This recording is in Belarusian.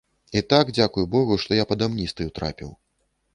І так, дзякуй богу, што я пад амністыю трапіў.